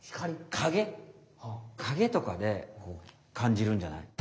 影とかで感じるんじゃない？